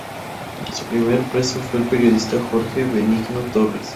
Su primer preso fue el periodista Jorge Benigno Torres.